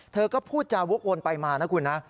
เธอก็พูดจาวกวนไปมานะคุณนะ